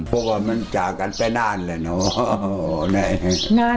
พวกมันจากกันไปนานเลยเนอะ